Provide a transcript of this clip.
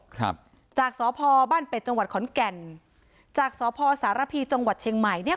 ครับจากสพบ้านเป็ดจังหวัดขอนแก่นจากสพสารพีจังหวัดเชียงใหม่เนี้ย